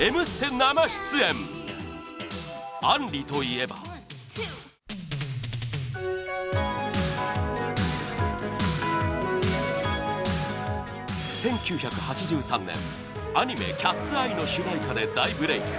生出演杏里といえば１９８３年アニメ「キャッツ・アイ」の主題歌で大ブレーク